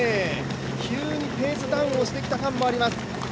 急にペースダウンをしてきた感もあります。